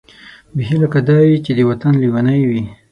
بېخي لکه دای چې د وطن لېونۍ وي.